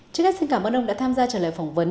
trước hết xin cảm ơn ông đã tham gia trả lời phỏng vấn